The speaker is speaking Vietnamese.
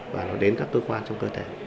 và nó đến các cơ quan trong cơ thể